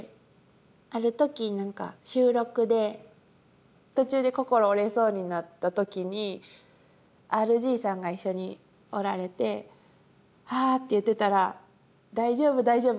ある時収録で途中で心折れそうになった時にＲＧさんが一緒におられて「はあ」って言ってたら「大丈夫大丈夫。